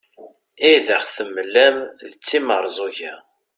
i aɣ-temlam d timerẓuga